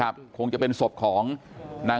กลุ่มตัวเชียงใหม่